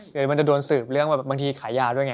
หรือว่ามันจะโดนสืบเรื่องบางทีขายยาด้วยไง